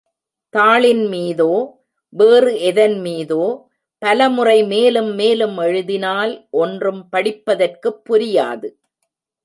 தாளின் மீதோ வேறு எதன் மீதோ பல முறை மேலும் மேலும் எழுதினால் ஒன்றும் படிப்பதற்குப் புரியாது.